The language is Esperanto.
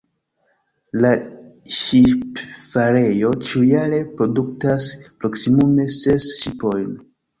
La ŝipfarejo ĉiujare produktas proksimume ses ŝipojn.